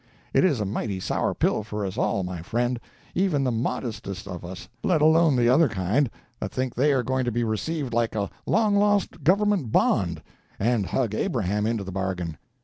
It is a mighty sour pill for us all, my friend—even the modestest of us, let alone the other kind, that think they are going to be received like a long lost government bond, and hug Abraham into the bargain.